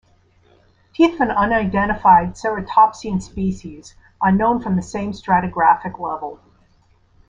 Teeth of an unidentified ceratopsian species are known from the same stratigraphic level.